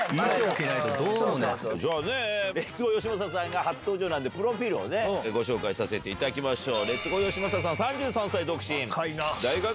じゃあレッツゴーよしまささんが初登場なのでプロフィルをご紹介させていただきましょう。